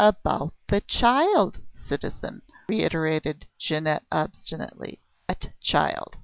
"About the child, citizen," reiterated Jeannette obstinately. "What child?"